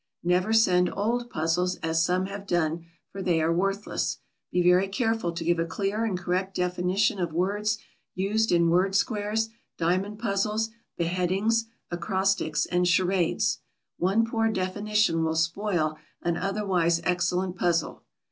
Never send old puzzles, as some have done, for they are worthless. Be very careful to give a clear and correct definition of words used in word squares, diamond puzzles, beheadings, acrostics, and charades. One poor definition will spoil an otherwise excellent puzzle.